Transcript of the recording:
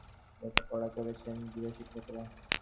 তিনি বাড়িতে গৃহশিক্ষকের অধীনে লেখাপড়া করেছেন।